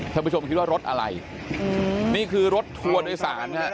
ท่านผู้ชมคิดว่ารถอะไรนี่คือรถทัวร์โดยสารฮะ